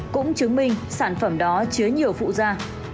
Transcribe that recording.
cũng chứng minh sản phẩm đó chứa nhiều phụ gia